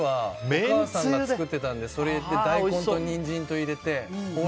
お母さんが作ってたのでそれで大根とニンジンを入れて。